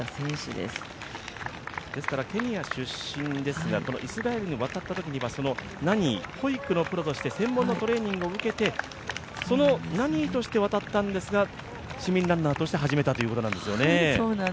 ですからケニア出身ですがイスラエルに渡ったときはそのナニー、プロとして専門の教育を受けて、そのナニーとして渡ったんですが市民ランナーとして始まったんですね。